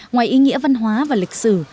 ngoài ý nghĩa văn hóa và lịch sử